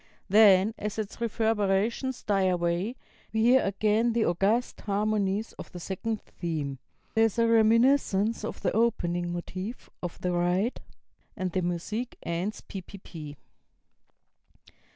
Then, as its reverberations die away, we hear again the august harmonies of the second theme; there is a reminiscence of the opening motive (of the ride), and the music ends ppp.